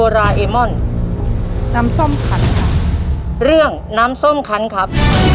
เรื่องน้ำส้มขันครับ